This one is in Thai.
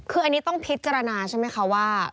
คืออันนี้ต้องพิจารณาใช่ไหมคะว่า